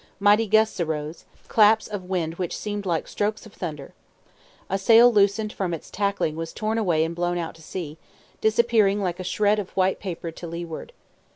Mighty gusts arose claps of wind which seemed like strokes of thunder. A sail loosened from its tackling was torn away and blown out to sea, disappearing like a shred of white paper to leeward.